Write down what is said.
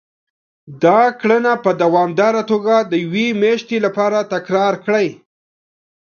دا کړنه په دوامداره توګه د يوې مياشتې لپاره تکرار کړئ.